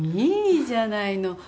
いいじゃないの。